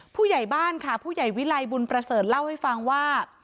ผู้ใหญ่บ้านค่ะผู้ใหญ่วิไลบุญประเสริฐเล่าให้ฟังว่า